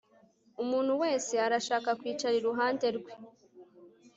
Umuntu wese arashaka kwicara iruhande rwe